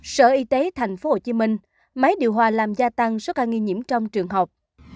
sở y tế tp hcm máy điều hòa làm gia tăng số ca nghi nhiễm trong trường học